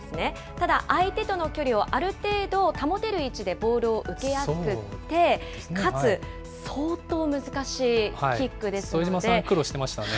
ただ、相手との距離をある程度保てる位置でボールを受けやすくて、副島さん、苦労してましたね。